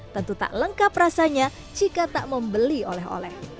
tentu tak lengkap rasanya jika tak membeli oleh oleh